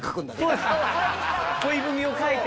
恋文を書いて。